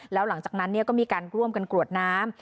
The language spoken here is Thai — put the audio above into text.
แล้วหลังจากนั้นก็มีการร่วมกันกรวดน้ำ